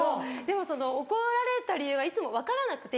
でも怒られた理由がいつも分からなくて。